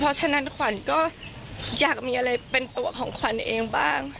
เพราะฉะนั้นขวัญก็อยากมีอะไรเป็นตัวของขวัญเองบ้าง